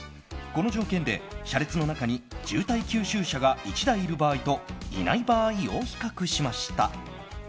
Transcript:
この条件で車列の中に渋滞吸収車が１台いる場合といない場合を比較しました。